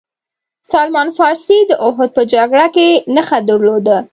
سلمان فارسي داوحد په جګړه کې نښه درلوده.